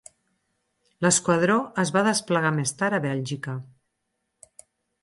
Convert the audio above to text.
L'esquadró es va desplegar més tard a Bèlgica.